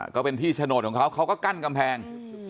ก็เป็นที่โฉนดของเขาเขาก็กั้นกำแพง